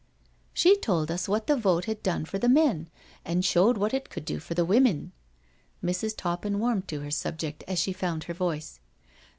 She told us what the vote had done for the men, and showed what it could do for the women." Mrs. Toppin warmed to her subject as she found her voice.